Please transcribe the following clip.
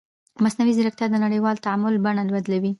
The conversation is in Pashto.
مصنوعي ځیرکتیا د نړیوال تعامل بڼه بدلوي.